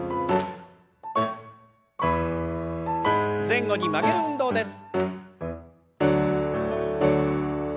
前後に曲げる運動です。